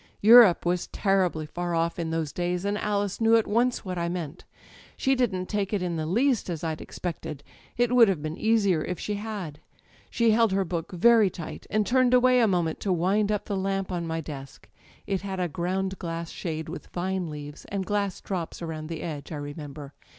"Europe was terribly far off in those days, and Alice knew at once what I meant. She didn't take it in the least as I'd expected â€" ^it would have been easier if she had. She held her book very tight, and turned away a moment to wind up the lamp on my desk â€" it had a ground glass shade with vine leaves, and glass drops around the edge, I remember.